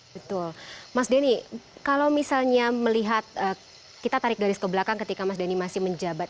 betul mas denny kalau misalnya melihat kita tarik garis ke belakang ketika mas dhani masih menjabat